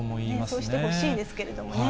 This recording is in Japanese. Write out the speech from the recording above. そうしてほしいんですけれどもね。